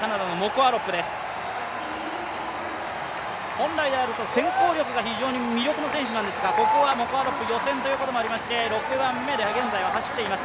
本来であると先行力が非常に魅力な選手なんですが、ここはモコ・アロップ、予選ということもありまして、６番目で現在は走っています